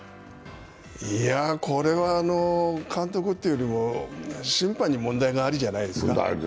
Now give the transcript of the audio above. いや、これは監督というよりも審判に問題ありじゃないですか。